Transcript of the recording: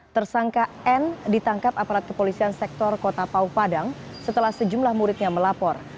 tersangka n ditangkap aparat kepolisian sektor kota pau padang setelah sejumlah muridnya melapor